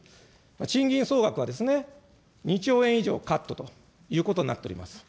賃金総額は２兆円以上カットということになっております。